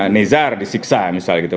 nezar disiksa misalnya gitu